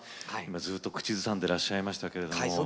ずっと口ずさんでらっしゃいましたけれども。